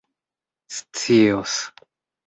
scios